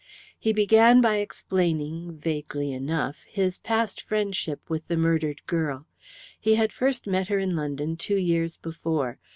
He began by explaining, vaguely enough, his past friendship with the murdered girl. He had first met her in London two years before.